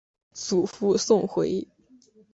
祖父宋回。